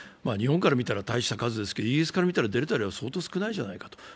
日本から見たら大した数ですが、イギリスから見たらデルタよりは相当少ないじゃないかと。